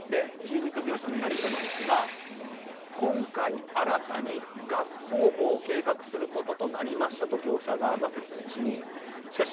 住民と業者のやり取りですが今回、新たに合葬墓を計画することとなりましたと業者側が説明します。